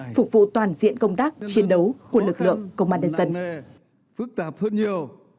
phục vụ toàn diện công tác chiến đấu của lực lượng công an nhân dân